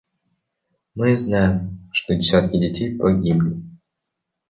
Мы знаем, что десятки детей погибли.